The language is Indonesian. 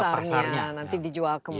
pasarnya nanti dijual kemana